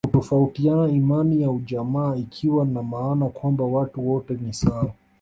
Kitafuata imani ya ujamaa ikiwa na maana kwamba watu wote ni sawa